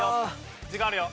時間あるよ。